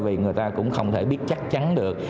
vì người ta cũng không thể biết chắc chắn được